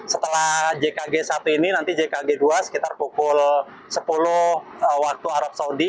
setelah jkg satu ini nanti jkg dua sekitar pukul sepuluh waktu arab saudi